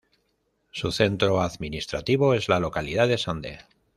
Su centro administrativo es la localidad de Sande.